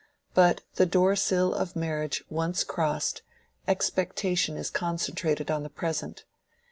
But the door sill of marriage once crossed, expectation is concentrated on the present.